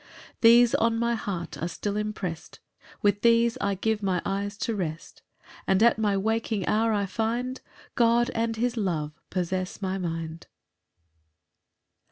8 These on my heart are still impress'd, With these I give my eyes to rest; And at my waking hour I find God and his love possess my mind.